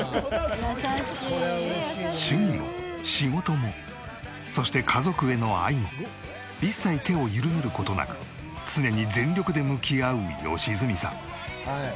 「優しい」趣味も仕事もそして家族への愛も一切手を緩める事なく常に全力で向き合う良純さん。